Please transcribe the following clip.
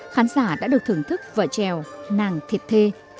khán giả đã được thưởng thức vở trèo nàng thịt thê